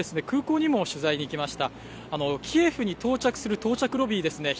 空港にも取材に行きましたキエフに到着する到着ロビーです